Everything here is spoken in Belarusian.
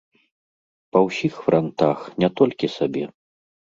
Па ўсіх франтах, не толькі сабе.